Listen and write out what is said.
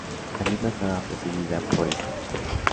La misma estaba presidida por el Prof.